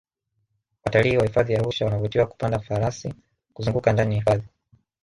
watalii wa hifadhi ya arusha wanavutiwa kupanda farasi kuzungaka ndani ya hifadhi